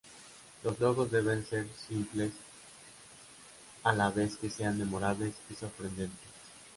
Los logos deben ser simples a la vez que sean memorables y sorprendentes.